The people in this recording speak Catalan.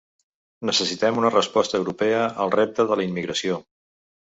Necessitem una resposta europea al repte de la immigració.